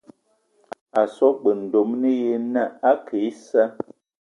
A so g-beu ndomni ye na ake issa.